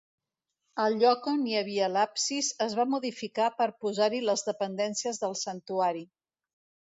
El lloc on hi havia l'absis es va modificar per posar-hi les dependències del santuari.